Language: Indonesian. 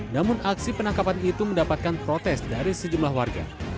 namun aksi penangkapan itu mendapatkan protes dari sejumlah warga